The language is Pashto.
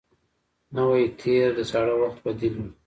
نوی تېر د زاړه وخت بدیل وي